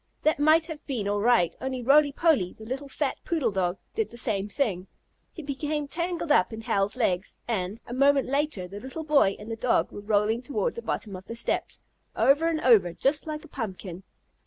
That might have been all right, only Roly Poly, the little fat poodle dog, did the same thing. He became tangled up in Hal's legs, and, a moment later, the little boy and the dog were rolling toward the bottom of the steps, over and over just like a pumpkin.